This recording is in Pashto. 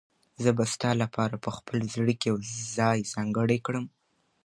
زه به ستا لپاره په خپل زړه کې یو ځای ځانګړی کړم.